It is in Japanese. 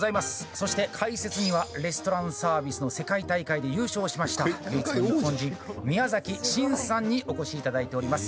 そして、解説にはレストランサービスの世界大会で優勝しました唯一の日本人宮崎辰さんにお越しいただいております。